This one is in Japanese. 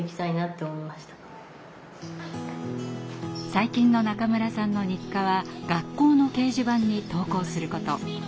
最近の中村さんの日課は学校の掲示板に投稿すること。